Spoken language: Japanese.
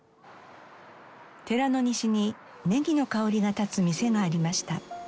寺の西にネギの香りが立つ店がありました。